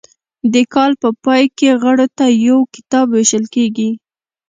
د کال په پای کې غړو ته یو کتاب ویشل کیږي.